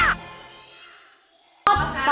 ตายหันลูกค้า